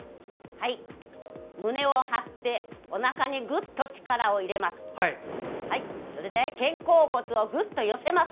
胸を張っておなかにぐっと力を入れます。